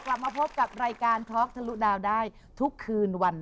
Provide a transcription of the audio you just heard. กลับมาพบกับรายการท็อกทะลุดาวได้ทุกคืนวัน